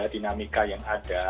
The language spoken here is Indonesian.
yang ada dinamika yang ada